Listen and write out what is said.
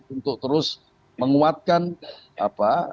untuk terus menguatkan apa